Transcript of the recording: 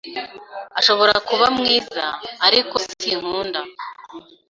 Ashobora kuba mwiza, ariko sinkunda.